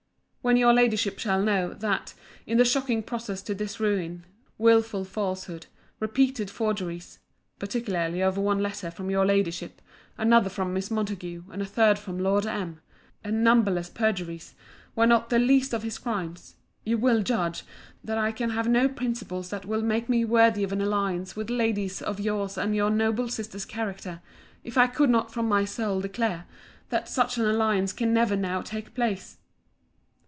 When your Ladyship shall know, that, in the shocking progress to this ruin, wilful falsehoods, repeated forgeries, (particularly of one letter from your Ladyship, another from Miss Montague, and a third from Lord M.) and numberless perjuries, were not the least of his crimes: you will judge, that I can have no principles that will make me worthy of an alliance with ladies of your's and your noble sister's character, if I could not from my soul declare, that such an alliance can never now take place.